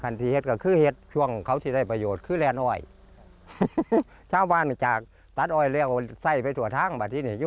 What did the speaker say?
นี่ผมเคยเห็นนะครับ